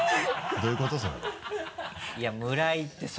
どういうこと？